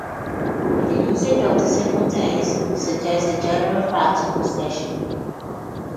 The usage of the simple tense suggests a general fact or possession.